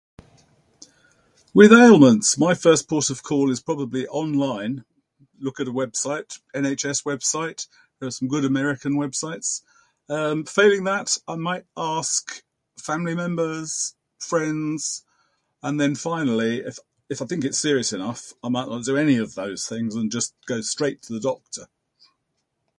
With ailments, my first protocol is probably online: look at a website, an HS website, there are some good American websites. Um, failing that, I might ask family members, friends, and then finally if if I think it's serious enough, I'm not gonna do any of those things and just go straight to the doctor.